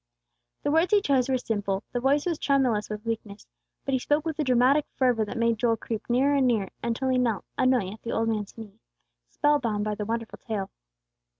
The words he chose were simple, the voice was tremulous with weakness; but he spoke with a dramatic fervor that made Joel creep nearer and nearer, until he knelt, unknowing, at the old man's knee, spell bound by the wonderful tale.